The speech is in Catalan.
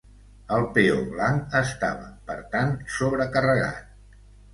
El peó blanc estava, per tant, sobrecarregat.